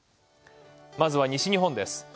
まずは西日本です。